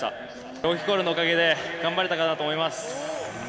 朗希コールのおかげで、頑張れたかなと思います。